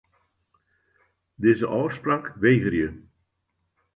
Dizze ôfspraak wegerje.